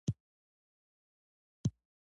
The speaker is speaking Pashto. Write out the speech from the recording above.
دی دلته ښه بلد او د مسلمانانو خدمت ته لېواله دی.